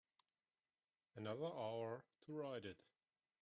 Another hour to write it.